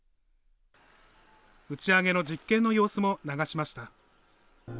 打ち上げの実験の様子も流しました。